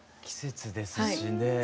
季節ですしね。